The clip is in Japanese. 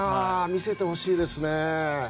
見せてほしいですね。